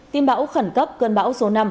tim bão khẩn cấp cơn bão số năm